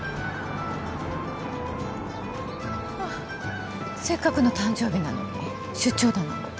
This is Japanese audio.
ハァせっかくの誕生日なのに出張だなんて。